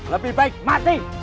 lebih baik mati